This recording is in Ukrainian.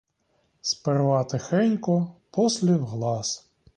Сперва тихенько, послі в глас